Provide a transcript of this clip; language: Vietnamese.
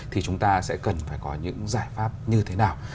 thì chúng ta sẽ cần phải có những giải pháp như thế nào